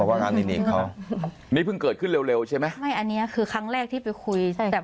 อันนี้เพิ่งเกิดขึ้นเร็วใช่ไหมไม่อันนี้คือครั้งแรกที่ไปคุย